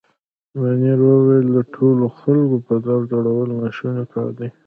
مانیرا وویل: د ټولو خلکو په دار ځړول ناشونی کار دی.